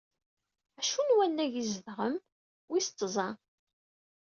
Acu n wannag ay zedɣem? Wis tẓa..